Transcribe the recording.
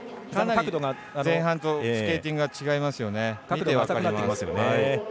かなり前半とスケーティングが違いますね。